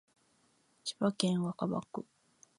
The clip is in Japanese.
千葉市若葉区